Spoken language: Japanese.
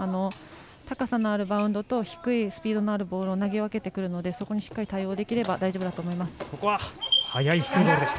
高さのあるバウンドと低いスピードのあるボールを投げ分けていくのでそこにしっかり対応できれば大丈夫だと思います。